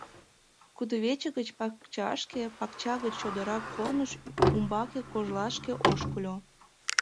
Кудывече гыч пакчашке, пакча гыч чодыра корныш, умбаке кожлашке ошкыльо...